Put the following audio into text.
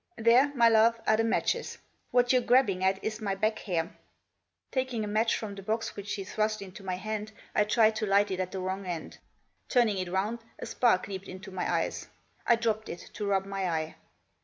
There, my love, are the matches; what you're grabbing at is my back hair." Taking a match from the box which she thrust into my hand, I tried to light it at the wrong end ; turning it round, a spark leaped into my eye. I dropped it, to rub my eye.